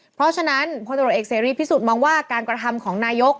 เพราะฉะนั้นพลตรวจเอกเสรีพิสุทธิ์มองว่าการกระทำของนายก